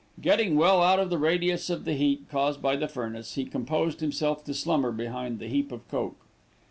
Getting well out of the radius of the heat caused by the furnace, he composed himself to slumber behind the heap of coke.